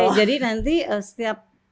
oke jadi nanti setiap